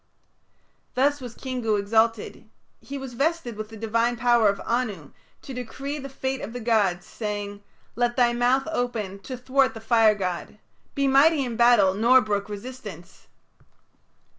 Thus was Kingu exalted; he was vested with the divine power of Anu to decree the fate of the gods, saying, "Let thy mouth open to thwart the fire god; be mighty in battle nor brook resistance."